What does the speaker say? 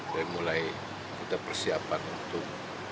dan mulai kita persiapan untuk